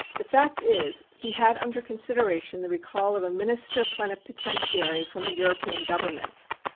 "The fact is he had under consideration the recall of a minister plenipotentiary from a European Government.